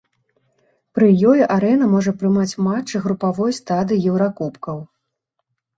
Пры ёй арэна можа прымаць матчы групавой стадыі еўракубкаў.